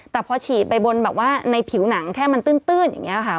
แต่พอฉีดไปบนแบบว่าในผิวหนังแค่มันตื้นอย่างนี้ค่ะ